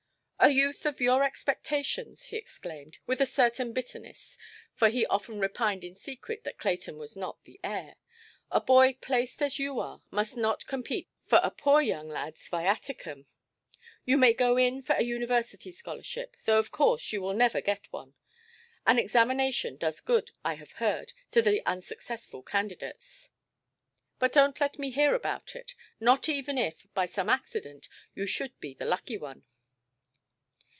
"A youth of your expectations", he exclaimed, with a certain bitterness, for he often repined in secret that Clayton was not the heir, "a boy placed as you are, must not compete for a poor young ladʼs viaticum. You may go in for a University scholarship, though of course you will never get one; an examination does good, I have heard, to the unsuccessful candidates. But donʼt let me hear about it, not even if, by some accident, you should be the lucky one".